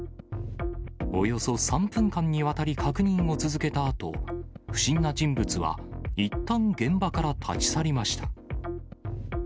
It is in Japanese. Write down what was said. およそ３分間にわたり確認を続けたあと、不審な人物は、いったん現場から立ち去りました。